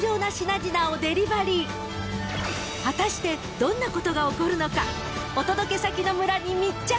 ［果たしてどんなことが起こるのか？］